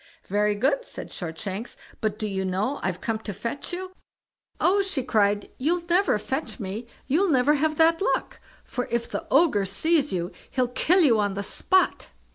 "Very good", said Shortshanks; "but do you know I've come to fetch you?" "Oh!" she cried, "you'll never fetch me; you'll never have that luck, for if the Ogre sees you, he'll kill you on the spot."